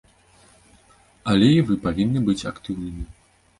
Але і вы павінны быць актыўнымі.